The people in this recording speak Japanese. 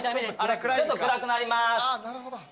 ちょっと暗くなります。